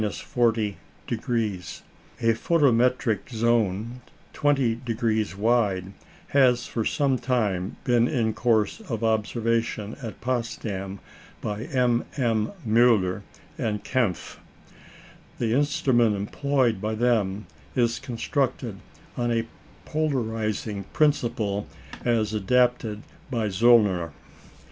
A photometric zone, 20° wide, has for some time been in course of observation at Potsdam by MM. Müller and Kempf. The instrument employed by them is constructed on the polarising principle as adapted by Zöllner.